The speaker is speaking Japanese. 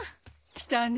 来たね。